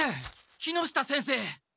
木下先生！